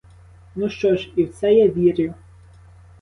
Ну що ж — і в це я вірю.